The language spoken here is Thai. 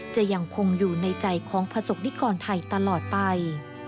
จะยังคงอยู่ในใจของประสบนิกรไทยตลอดไป